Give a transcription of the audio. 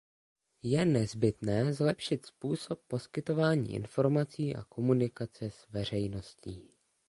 Je nezbytné zlepšit způsob poskytování informací a komunikace s veřejností.